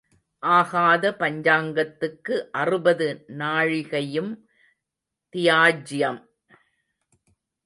ஆகாத பஞ்சாங்கத்துக்கு அறுபது நாழிகையும் தியாஜ்யம்.